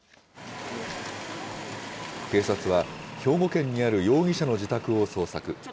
警察は、兵庫県にある容疑者の自宅を捜索。